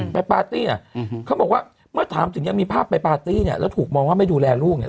ปาร์ตี้อ่ะเขาบอกว่าเมื่อถามถึงยังมีภาพไปปาร์ตี้เนี่ยแล้วถูกมองว่าไม่ดูแลลูกเนี่ย